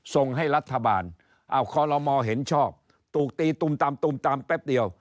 ส่งให้รัฐบาลเอ้าคมเห็นชอบตุกตีตุ่มตามตุ่มตามแป๊บเดียว